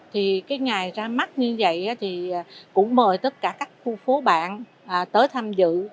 thì cái ngày ra mắt như vậy thì cũng mời tất cả các khu phố bạn tới tham dự